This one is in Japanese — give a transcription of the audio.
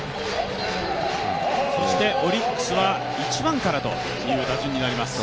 オリックスは１番からという打順になります。